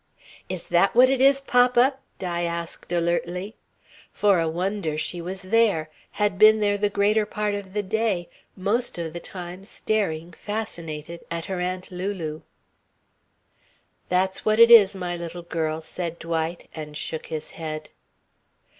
"Is that what it is, papa?" Di asked alertly. For a wonder, she was there; had been there the greater part of the day most of the time staring, fascinated, at her Aunt Lulu. "That's what it is, my little girl," said Dwight, and shook his head.